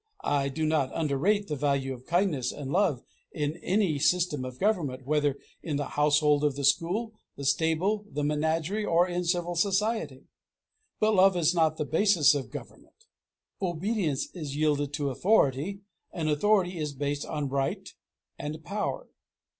I do not underrate the value of kindness and love in any system of government, whether in the household, the school, the stable, the menagerie, or in civil society. But love is not the basis of government. Obedience is yielded to authority, and authority is based on right and power.